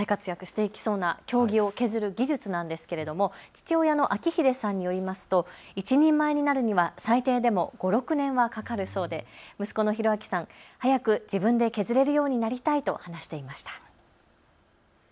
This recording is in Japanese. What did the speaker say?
これから大活躍してきそうな経木を削る技術なんですけれども父親の彰秀さんによりますと一人前になるには最低でも５、６年はかかるそうで息子の広彰さん、早く自分で削れるようになりたいと話していました。